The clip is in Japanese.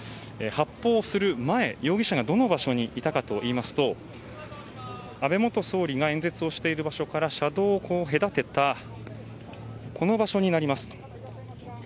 発砲する前、容疑者がどの場所にいたかといいますと安倍元総理が演説をしている場所から車道を隔てたこの場所になります。